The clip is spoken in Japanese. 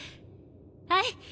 はい。